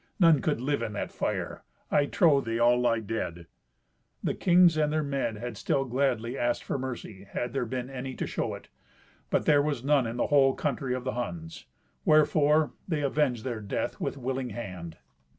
None could live in that fire. I trow they all lie dead." The kings and their men had still gladly asked for mercy, had there been any to show it. But there was none in the whole country of the Huns. Wherefore they avenged their death with willing hand.